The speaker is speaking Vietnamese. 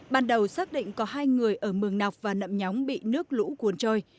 ban đầu xác định có hai người ở mường nọc và nậm nhóng bị nước lũ cuốn trôi